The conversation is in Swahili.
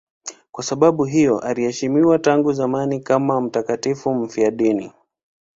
Kwa sababu hiyo anaheshimiwa tangu zamani kama mtakatifu mfiadini.